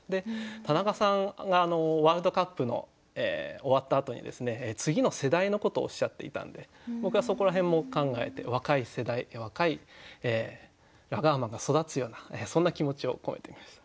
田中さんがワールドカップの終わったあとに次の世代のことをおっしゃっていたんで僕はそこら辺も考えて若い世代若いラガーマンが育つようなそんな気持ちを込めてみました。